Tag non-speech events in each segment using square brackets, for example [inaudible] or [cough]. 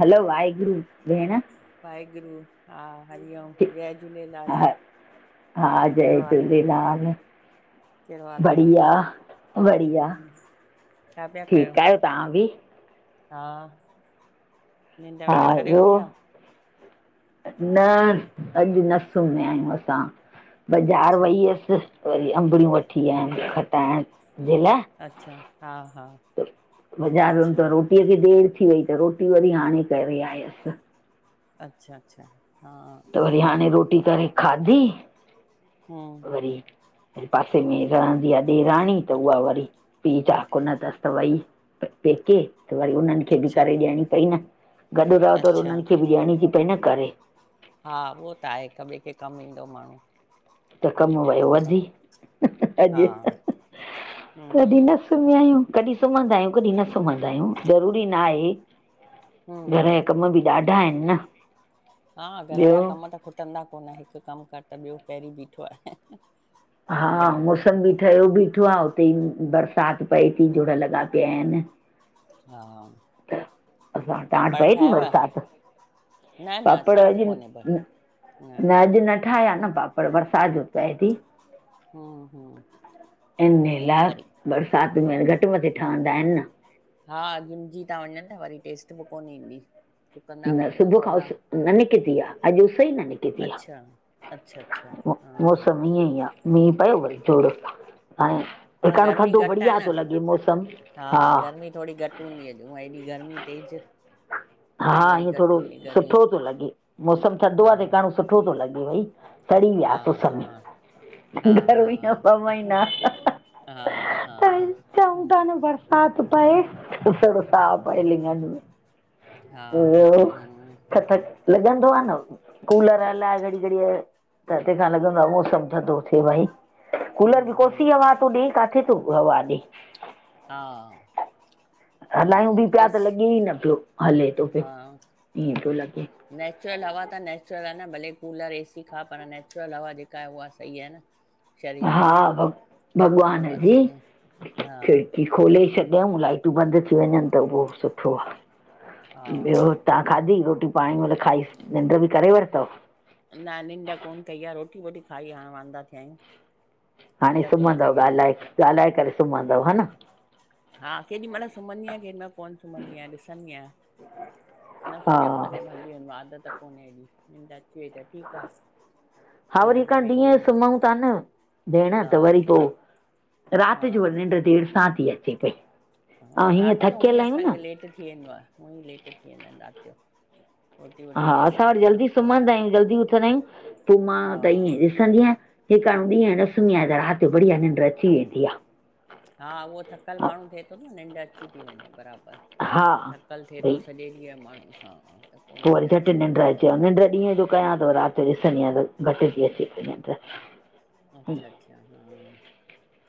हलो वाहेगुरु भेण। वाहेगुरु हा हरिओम ठी- जय झूलेलाल। हा हा कहिड़ो जय हाल आहे झूलेलाल। कहिड़ो हाल अथव बढ़िया बढ़िया हम्म छा पिया कयो ठीक आयो तां बि? हा निंडा हा वंडा करे ॿियो उथिंया। न अॼु न सुम्हया आहियूं असां बाज़ार अच्छा वईअस। वरी अंबड़ियूं वठी आयन खटाइण जे ल। अच्छा हा हा अच्छा। एड़ी देर थी वई त रोटी वरी हाणे करे आयस। अच्छा अच्छा। हा त वरी हाणे हम्म रोटी करे खादी। हं। वरी पासे में रहंदी आ ॾेराणी त उहा वरी। पी चाक उन दस्त दवाई पेके। त वरी उन्हन खे बि अच्छा करे ॾियणी पई न गॾ रहो त वरी अच्छा उन्हन खे बि ॾियण जी पई न करे। हा उहो त आहे हिक ॿिए खे कम ईंदो माण्हू। त कम वयो हम्म बराबरि वधी हा अॼु तॾे हम्म न। आहियूं कॾहिं सुम्हंदा आहियूं कॾहिं न सुम्हंदा आहियूं ज़रूरी न आहे। हम्म घरया हम्म कम बि ॾाढा आहिन न। हा ॿियो घरयां कम त खुटंदा कोन हिक कम कर त ॿियो पहरी बीठो आहे हा करिणो ई आहे घर मौसम जो बि कमु ठहियो बीठो आ। टिण बरसात पई थी जुड़ लॻा पिया आहिन। हा। असां तां वट पापड़ पए थी ठाहियव बरसात? न न पापड़ असां वटि अॼु कोन्हे पर न अॼ न ठाहिया न पापड़। पर बरसात जो पए थी। हां। इन लाइ बरसात हा में घट मथे ठहंदा आहिन न। हा घिमजी था वञ वरी टेस्ट बि कोन ईंदी। सुकंदा बि न कोन सुबुह खां सवला न निकिती आ अॼु उस न निकती। अच्छा अच्छा अच्छा हा हा मौसम ईअं ई आ। मी पयो भरी जोड ऐं। पाण हेकाण गर्मी थधो घटि आहे बढ़िया न थो लॻे मौसम हा। थोरी घट हूंदी हुॼ हूअं हेॾी गर्मी तेज। हा अॼु वरी ईअं घटि थोरो हूंदी गर्मी सुठो तो लॻे मौसम थदो हा आ जे काणो सुठो थो लॻे भई। सड़ी हा विया सो हा समी। हा घर हा ई न पमाई न हा हा त हम्म, चंउता न बरस। हाथ पाएसरो सा पाए लिंगानी में। हा ॿियो, हम्म थथक लॻंदो आहे न। कूलर हलाए घड़ी घड़ी त तंहिंखां लॻंदो आहे मौसम थधो थिए भई। कूलर भी हम्म हम्म कोसी हवा थो ॾे काथे थोूं हवा ॾे। हा, हलायूं हम्म होबि पिया त एसी लॻे ई न पियो। हले थो पियो हा, ईअं पियो लॻे नेचुरल हवा त नैचुरल आहे न भले कूलर एसी खा पर नैचुरल हवा जेका आहे उहा सही आहे न। शरीर हा लाइ भ उहा भॻवान उहा जी सही आहे हा खड़की, खोले छॾियऊं लाइटूं बंदि थी वञनि त उहो सुठो हा आहे। ॿियो तव्हां हम्म। खाधी रोटी पाणी मतल खाई निंड बि करे वरतो। न निंडा कोन कई आहे रोटी वोटी खाई हाणे वांदा थिया आहियूं। हाणे निंड कोन कई सुम्हंदव आहे अञा ॻाल्हाए ॻाल्हाए करे सुम्हंदव हा न। हा केॾीमहिल सुम्हंदी आयां केॾीमहिल कोन सुम्हंदी आहियां ॾिसंदी आहियां। न हा सुमियमि तॾहिं हली वेंदुमि आदत कोन्हे हेएॾी निन्ॾ अची वई त ठीकु आहे। हा फोन वरी क ते वेही ॾींहं वेही सुम्हूं था न भेण हा त वरी पोइ हा राति जो निन्ॾ देर सा ती अचे पई। ऐं हा हीअं राति जो हूअं ई थकियल आहियूं न असांखे लेट थी वेंदो आहे हूअं लेट थी वेंदा आहिनि राति जो। रोटी वोटी हा देरि असां सां वरि खाऊं जल्दी हा सुम्हंदा आहियूं जल्दी उथंदा आहियूं। पोइ मां हा त ईअं ॾिसंदी आहियां जेकाणे ॾींहं न सुम्ही आहियां त राति बढ़िया निंड अची वेंदी आ। हा उहो थकल माण्हू थिए थो न निंड अची थी वञे बराबर। हा थकल थिए भई थो सॼे ॾींहं माण्हू हा। त पोइ निंड वरी जटि अची थी निंड वञे अचेव निड ॾींहं जो कयां थो रात - - त ॾिसदी आए घट जी अची निंॾ अच्छा -अच्छा हा,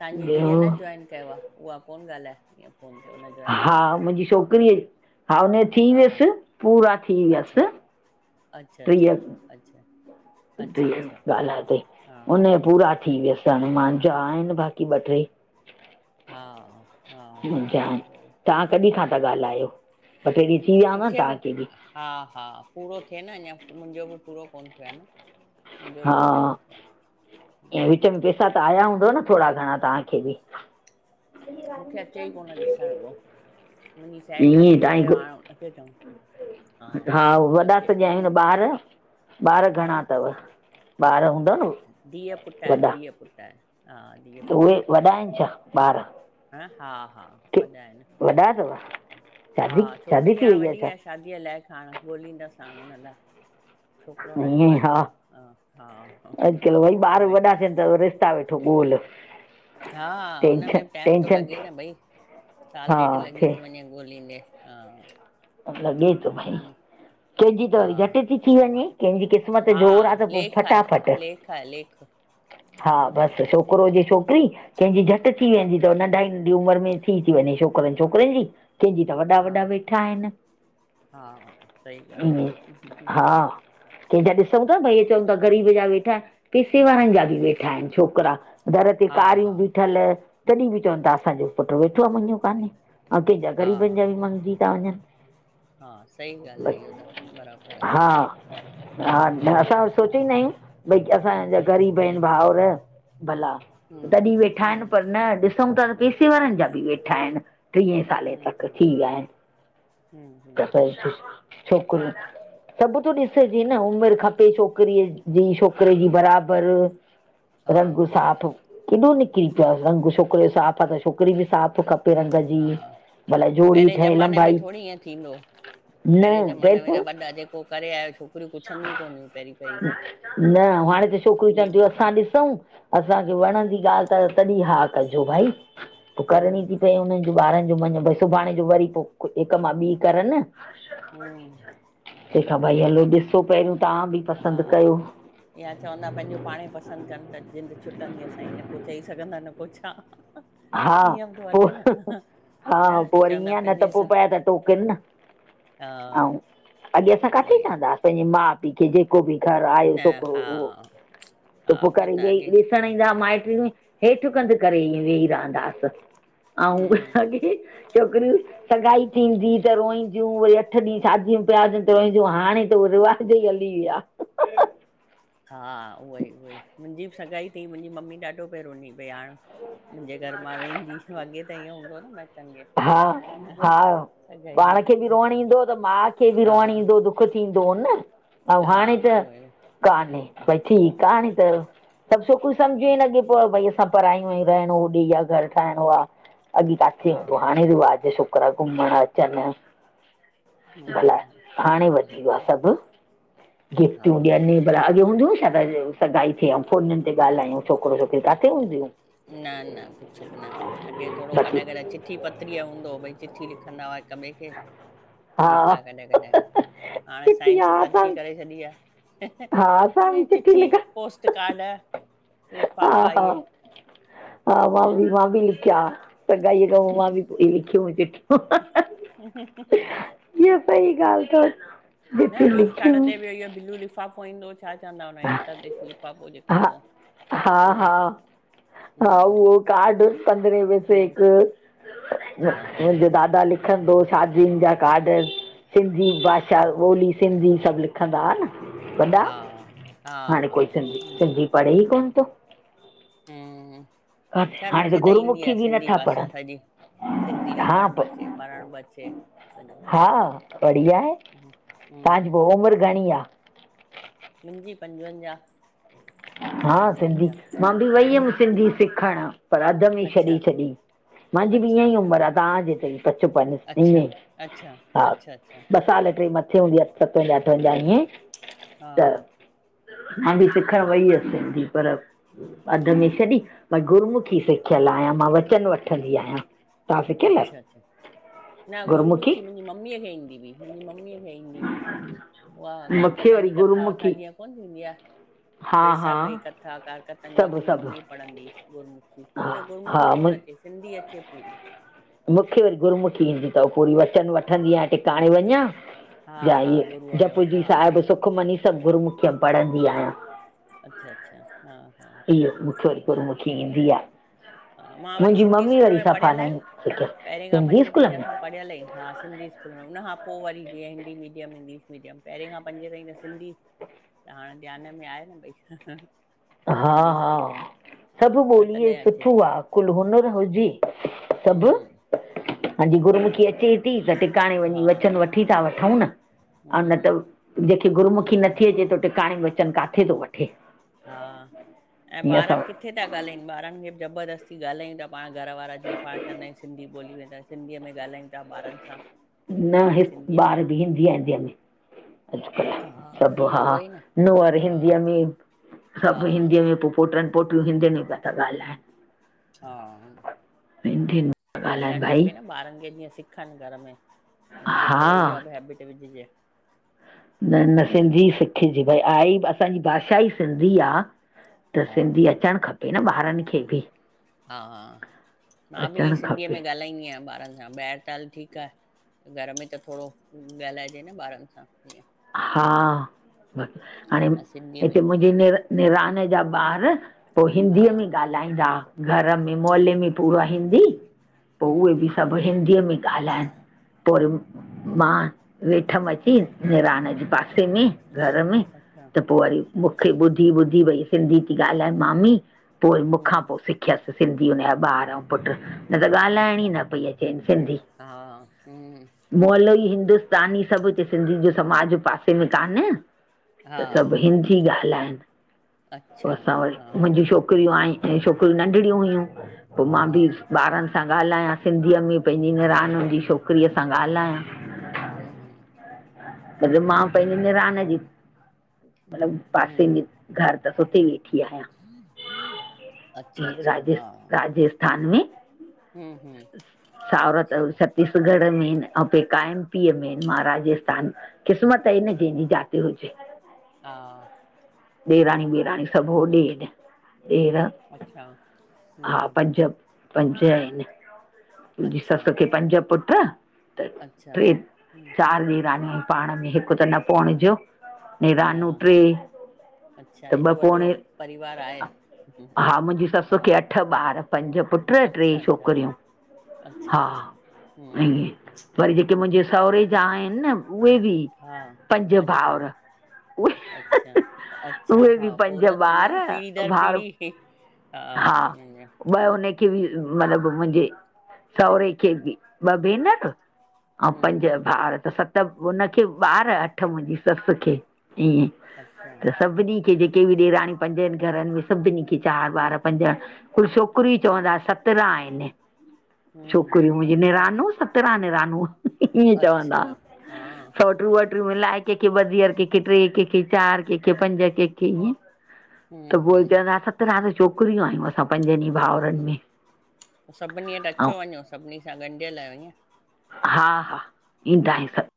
तव्हांजी धीअ न जॉइन कयो आ। उहा कोन ॻाल्हाए ईअं। फोन त उन जी - - हा मुंहिंजी छोकिरीअ हा हुनज थी हा वियसि पूरा थी अच्छा वियसि। अच्छा टीह -अच्छा, अच्छा - - ॻाल्हाए ते हुनज पूरा थी वियस हाणे मुंहिंजा आहिन बाक़ी ॿ टे। हा हा हा मुंहिंजा आहिनि हा - - कॾहिं खां था ॻाल्हायो। ब टे थी वया। मूंखे बि हा हा पूरो थिए न अञा मुंहिंजो बि पूरो कोन्ह थियो आहे न। मुंहिंजो बि पूरो हा, कोन थियो आहे हम्म, बि [unintelligible] चंऊ पैसा त आया हूंदो न थोरा घणा तव्हांखे बि। मूंखे अचे ई कोन ॾिसण हो। मुंहिंजी साहेड़ीअ ईअं मूंखे तव्हांजी चयो गु ह अचे चऊं - - हा वॾा सॼा आहियूं न ॿार ॿार हा घणा अथव। ॿार हूंदव न - - धीअ पुटृ आए धीअ पुटृ ह - - त उहे वॾा आहिन छा ॿार - - ह हा हा वॾा आहिन। वॾा अथव शादी शादी छोकिरी थी हाणे वई आ वॾी आहे छा। शादीअ लाइ खणु ॻोल्हींदा साण हुनन लाइ - - छोकिरो नंढो ईअं आहे हा थोरो ह हा ह उहे - - त रिश्ता वेठो ॻोल - - हा, हुनमें बि टाइम थो लॻे थी न भई, साल हा ॾेढ लॻी थिए थो वञे ॻोल्हींदे हा - - त लॻे थो भई - - कंहिंजी त वरी हा झटि ती थी वञे कंहिंजी किस्मत जोरु आ हा त पो लेख फटाफट। आहे लेख आहे लेख हा हम्म, बसि छोकिरो हुजे छोकिरी, कंहिंजी झटि थी वेंदी थव नंढा नंढी उमिरि में थी ती वञे छोकिरनि छोकिरियुनि जी कंहिंजी त वॾा हा वॾा वेठा आहिन! हा सही ॻाल्ह आहे। कंहिंजा ॾिसूं था भई चऊं था ग़रीब जा वेठा, पैसे वारन जा - - वेठा आहिन छोकिरा, दर ते हा, हा, कारियूं बीठल - - तॾहिं बि चवनि था असांजो पुटु वेठो आ मङयो काने ऐं कंहिंजा हा, ग़रीबनि जा बि मङजी था वञन। हा सही गाल्ह आहे इहो त बराबर हा आहे हा हम्म, त असां सोचींदां आहियूं भई असांजा ग़रीब आहिन भाउर - - भला हम्म, तॾहिं वेठा आहिन हम्म, पर न, ॾिसूं था त पैसे वारनि जा बि वेठा आहिन - - टीह सालें हम्म, तक हम्म, थी विया आहिन। हम्म, हम्म, [unintelligible] छोकरीयू- - सभु थो ॾिसजे न उमिर खपे छोकिरीअ जी, छोकिरे जी बराबर। - - [inaudible] रगुं साफ़, केॾो निकिरी पयो आ, रंग छोकिरे जो साफ़ आहे त छोकिरी बि साफ़ खपे - - बि रंग जी, हा, भल जोड़ी पहिरें ठहे ज़माने में लंबाई - - थोरी ईअं थीदों - - पहिरें ज़माने भेण में त वॾा जेको करे आय छोकिरियूं कुछंदियूं कोन हुयूं पहिरीं पहिरीं त न हाणे त छोकिरियूं चवंनि जीअं थियू असां ॾिसूं, असांखे वणंदी ॻाल्हि त तॾी हा कजो भाई, पोइ करणी हम्म, थी भई हुननि जू ॿारनि जू मञो भई सुभाणे जो वरी पोइ कुछ हिकु मां ॿी करनि हम्म तहिखां भई हलो ॾिसो पहिरियों तां भी हा या चवंदा पंहिंजो पाण ई पसदं कनि त जिदं छुटंदी असाजी, न को चई सघंदा न को छा हा, ईअं बि थो हले न, पोइ हा न पोइ वरी चवंदा इअं न त पंहिंजे पोइ सां पया त टोकिन न हा अउ अॻे असां उहो काथे ई चवंदासीं पंहिंजे माउ पीउ खे जेको को भी घर आहे आए न छोकिरो हा, उहो, त हा पोइ उहो करे अॻे [unintelligible] ॾिसण ईंदा माइटूं हेठि कंधि करे ई वेही रहंदास अउं बि हम्म, अॻे, छोकिरियूं सगाई थींदी त रोई वरी अठ ॾींहं शादीयूं पिया हुजनि त रोईंदींयू हाणे त उहे रिवाज ई हली विया हा उहोई उहोई, मुंहिंजी बि सगाई थी मुंहिंजी मम्मी ॾाढो पे रूनी पे, हाणे मुंहिंजे घर मां वेंदी, अॻे त ईअं हूंदो होन माईटनि खे हा हा, सगाई ॾींहुं पाण खे बि रोअणु ईंदो हो त माउ खे बि हा रोअणु ईंदो दुख दुख थींदो होन न, अउं हाणे हा त उहोई कान्हे भई ठीकु आ हाणे त सब सोकरियू सम्जे ई नथी पियो भई असां परायूं आयू, रहणो होॾे या घरु ठाहिणो आ अॻी काथे हा हूंदो हो, हाणे रिवाज छोकिरा घुमण अचनि ईन लाई, हम्म हाणे वधी वियो आ हम्म, सभु हा गिफ्टूं ॾियनि, भला अॻे हूंदो हो छा सगाई थी आ, अउ फोननि ते ॻाल्हायूं छोकिरो छोकिरी, काथे हूंदियूं हू न न कुछ बि न, अॻे थोरो बाक़ी कॾहिं कॾहिं चिठी पत्री अ हूंदो हो पो भई चिठी लिखंदा हुआ हिक ॿिए खे ठीक हा आ कॾहिं-कॾहिं हाणे चिटी साइं सा हा असां तरक़ी बि करे छॾी आ हा असां बि ह चिठी लिखा पोस्ट कार्ड हा लिफ़ाफ़ा हा इ हा मां बि मां बि लिखया आ सगाई खां मां बि लिखिय चिठियूं [unintelligible] इअ सही ॻाल्ह चव न पोस्ट कार्ड ते बि इहो बिलू लिफ़ाफ़ो ईंदो छा चवंदा हुनो अंदर हा ते लिफाफो जेको उहो हा उहो हा हा हम्म, उहो काड पंद्रह वसे हम्म, हिक हा मुंजे दादा लिख लिखंदो शादियुन जा काड सिंधी भाषा ॿोली सिंधी सभ लिखंदा न। वॾा हा हा हाणे हा कोई सिंधी हम्म, सिंधी पढ़े ई कोन थो। हम्म खैर हाणे मुखे त ईंदी आ गुरुमुखी बि सिंधी नथा भाषा पढ़नि सॼी। सिंधी लिखण ब हा अचे पढ़ण बचे। हा बढ़िया हे, हम्म, तव्हांजी हम्म। उमर घणी आ? मुंहिंजी पंजवंजाह। हा सिंधी मां बि वई हुयम सिंधी सिखण पर अध में अच्छा छॾे छॾी। मांजी बि अच्छा ईअं ई विया उमर हुआ आ तव्हां जेतरी पचपन ईअं अच्छा ई अच्छा हा अच्छा अच्छा ॿ साल ट्रे मथे हूंदी आहे। हा [unintelligible] अखर वई हुस सिंधी पर अध में छदी। मां गुरमुखी हम्म, सिखयल आयां मां वचन वठंदी आहियां। सिखियल आहियो अच्छा-अच्छा न गुरमुखी मुंजी ममीअ खे ईंदी हुई। मुंजी मम्मीअ खे ईंदी हुई उहा मूंखे कारकथन वरी जी कथा-वथा गुरमुखी जीअं कोन थींदी आ हा हा वेशाखी कथा कारकथन जी सभु मुंजी सभु मम्मी पढ़ंदी हुई गुरमूख हा मुखे गुर्मूखी हा कोन अचे सिंधी अचे पूरी। मुखे वरी गुरमुखी ईंदी थव पूरी वचन वट वठंदी आहिय टिकाणे वञा हा या हा ए गुरूअ जो जप जी हा साहिब, सु खमनी सभ गुरूमखि में पढ़ंदी आयां। अच्छा-अच्छा हा-हा उह ई आहे वया हा मां वरी सिंधी स्कूल में सफ़ा पढ़यल न आयां ई सिखियसि पहिरें खां सिंधी पंजे ताईं स्कूल त में असां प पढ़यल है, हा सिंधी स्कूल में हुनन खां पो वरी जीअं हिंदी मीडियम इंग्लिश मीडियम पहिरें खां पंजे ताईं त सिंधी त हाणे ध्यान में आहे न भई। सिंधी हा-हा स्कूल में सभ त ॿोलीअ तॾहिं अचे सुठो आ कुल हुनर हुजे। हम्म अज् हा गुरमुखी अचे थी त टिकाणे वञी हा वचन वठी था वठूं न। ऐं न हम्म त जेके गुरमुखी हम्म नथी अचे थो टिकाणे वचन काथे थो वठे? हा ऐं हीअं ॿार असां किथे था ॻाल्हाइन ॿारन खे बि ज ज़बरदस्ती ॻाल्हायूं था पाण घर वारा जीं पाण चंदाय सिंधी ॿोली वदाय सिंधीअ में ॻाल्हायूं। चा ॿारन सां भई सिंधीअ में ईंदी आ, हिंदी में अजकल हा सभ हा उहो ई न नूअर हा हिंदीअ में हा सभ हिंदीअ में पोट्रन पोट्रीयूं हिंदियुन पि था ॻाल्हाइन हा हिंदियुनि में था ॻाल्हाइनि ॻाल्हाइण भाई खपे न ॿारन खे जीअं सिखण घर में हुनन खे थोरो हा इह हेबिट विझजे। न -न सिंधी सिखजे भई आहे असांजी भाषा ई सिंधी आ। हा त सिंधी अचणु खपे न ॿारन खे भी। हा- हा मां बि ईअ अचणु सिंधीअ में खपे ॻाल्हाईंदी आहियां ॿारन सां ॿाहिर। चाल ठीकु आहे घर में त थोरो ॻाल्हाइजे न ॿारनि सां ईअं। हा ब हाणे हा सिंधीअ में हिते मुंहिंजी नि निरान जा ॿार पोइ हा हिंदीअ में ॻाल्हाईंदा घर में मोले में पूरो हिंदी। हूं! सब हिंदीअ में ॻाल्हाइन पोइ मां वेठमि अची। निरान जे पासे में घर में अच्छा, त पोइ वरी अच्छा, मूंखे ॿुध ॿ ॿुधी वई सिंधी थी ॻाल्हाए मामी पोइ मूंखां हम्म, पोइ सिखी सिखियसि सिंधी हुनजा ॿार ऐं पुटु। न त ॻाल्हाइण ई अच्छा, न पई अचे सिंधी। हा, हम्म, मुहल्लों ही हिंदुस्तानी सब हिते सिंधिय जो समाज पासे में काने। हा, त सब हिंदी ॻाल्हाइनि पोइ अच्छा, असां हा, वटि मुंहिंजी छोकरी छोकरियूं आय ऐं छोकरियूं नंढणियूं हुइयूं पोइ हा, मां बि ॿारन सां ॻाल्हायां सिंधीअ में पंहिंजी निणान जी छोकरीअ सां ॻाल्हायां। हूं- हूं! त मां पंहिंजे निरान जी मतलब पासे हम्म, जी घर त सुठी हुई आहियां अच्छा, अच्छा, राज हा, राजस्थान में हम्म, हम्म, सावरत अच्छा, सप छत्तीसगढ़ में आहिनि ऐं पेका एमपीअ में आहिनि महार राजस्थान। क़िस्मत ई न जेनी जात हुजे। हा! ॾेराणी हम्म, ॾेराणी सभु हो ॾे ॾेर अच्छा, हा हम्म, पंज पंज आहिनि मंहिंजी सस अच्छा, खे पंज पुट त अच्छा, टे हम्म, चारि ॾेरानीय आ पाण में हिकु त न पहुणजो। हा, नेरानू ट्रे। अच्छा, त ॿ एॾो वॾो पोणे परिवार आहे, हम्म, हा मुंहिंजी सस हा, खे अठ ॿार। पंज पुट टे अच्छा, अच्छा, छोकरियूं अच्छा, हा अच्छा, हम्म, हम्म, ई। वरी जेके मुंहिंजे सहुरे जा आहिनि न उहे बि हा, पंज अच्छा! भाउर उहे अच्छा-अच्छा उहे हा, बि पोइ पंज त थींदो न ॿार पीढ़ी दर भाउर पीढ़ी हा, इय! ॿ हुनखे बि मतिलब मुंहिंजे सहुरे खे बि ॿ भेनर ऐं पंज हम्म, भाउ त सत हुनखे ॿार अठ मुंहिंजी ससु खे ईअं। अच्छा त सभिनी खे जेके बि ॾेरानी पंजनि घरन में सभनी खे चार ॿार पंज कुझु छोकरियूं ई चवंदा सतरां आहिन हम्म, छोकरियूं मुंहिंजी अच्छा, निरानूं सत्तरा निरानूं ईअं चवंदा अच्छा हा सौटूं वटरियूं मिल कंहिंखे ॿधियर, कहिंखे ट्रे, कंहिंखे चार, कहिंखे पंज, कंहिंखे इएं। त हम्म, पोइ हम्म, चवंदा सत्ररह छोकरियूं आयूं मस्त ह त सभिनी वटि ऐं अचो वञो सभिनी सां ॻंढिय लाइयो ईअं। हा -हा ईंदा आहिनि सब।